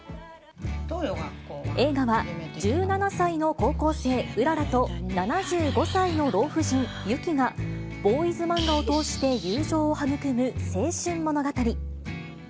映画は、１７歳の高校生、うららと７５歳の老婦人、雪が、ボーイズ漫画を通して友情を育む青春物語。